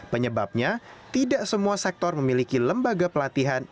penyebabnya tidak semua sektor memiliki lembaga pelatihan